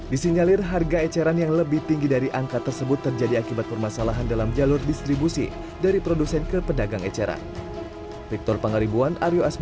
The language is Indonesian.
disinyalir harga eceran yang lebih tinggi dari angka tersebut terjadi akibat permasalahan dalam jalur distribusi dari produsen ke pedagang eceran